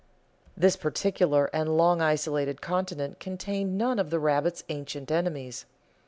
This peculiar and long isolated continent contained none of the rabbit's ancient enemies.